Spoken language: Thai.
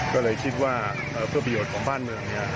ก็เลยคิดว่าเพื่อประโยชน์ของบ้านเมือง